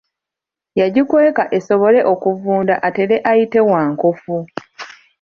Yagikweka esobole okuvunda atere ayite wankofu.